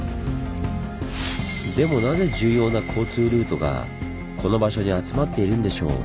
でもなぜ重要な交通ルートがこの場所に集まっているんでしょう？